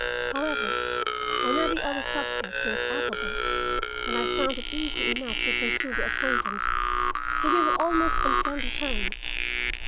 However, on every other subject she was affable, and I found it easy enough to pursue the acquaintance till we were almost on friendly terms.